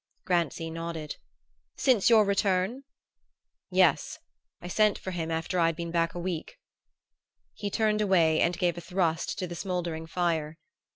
Grancy nodded. "Since your return?" "Yes. I sent for him after I'd been back a week ." He turned away and gave a thrust to the smouldering fire.